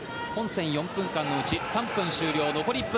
本戦４分間のうち３分終了。